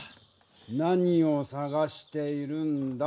何を探しているんだ？